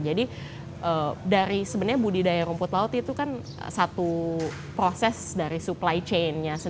jadi dari sebenarnya budidaya rumput laut itu kan satu proses dari supply chain